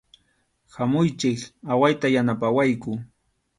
Hamuychik, awayta yanapawayku.